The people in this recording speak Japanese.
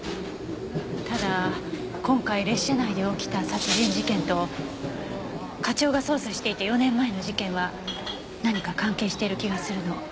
ただ今回列車内で起きた殺人事件と課長が捜査していた４年前の事件は何か関係している気がするの。